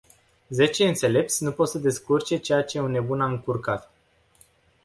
Zece înțelepți nu pot să descurce ceea ce un nebun a încurcat.